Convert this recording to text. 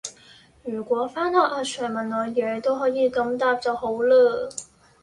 如果返學阿 sir 問我野都可以咁答就好勒!